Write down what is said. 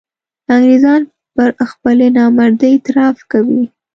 انګرېزان پر خپلې نامردۍ اعتراف کوي.